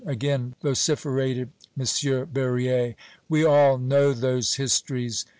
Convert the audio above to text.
again vociferated M. Berryer. "We all know those histories!"